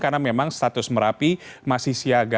karena memang status merapi masih siaga